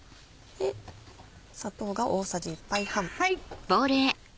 砂糖が大さじ１杯半。